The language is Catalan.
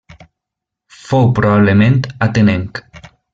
Fou probablement atenenc.